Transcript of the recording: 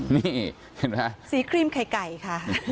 นี่เห็นไหมสีครีมไข่ไก่ค่ะ